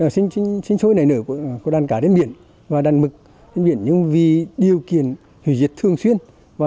sinh sinh sôi này nở của đàn cá đến biển và đàn mực biển nhưng vì điều kiện hủy diệt thường xuyên và